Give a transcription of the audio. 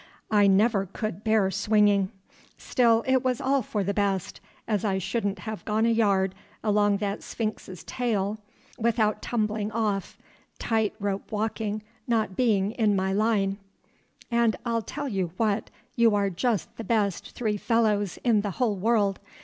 I never could bear swinging. Still, it was all for the best, as I shouldn't have gone a yard along that sphinx's tail without tumbling off, tight rope walking not being in my line; and I'll tell you what, you are just the best three fellows in the whole world.